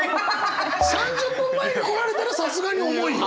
３０分前に来られたらさすがに重いよ！